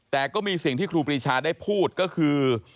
แต่ก็มีสิ่งที่ครูปรีชาได้พูดก็คือ